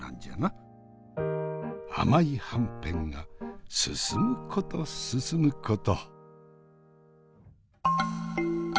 甘いはんぺんが進むこと進むこと。